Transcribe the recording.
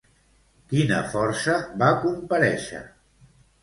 Quina força va comparèixer?